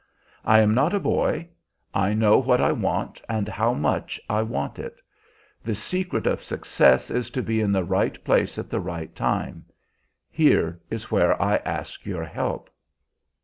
I am not a boy; I know what I want and how much I want it. The secret of success is to be in the right place at the right time: here is where I ask your help."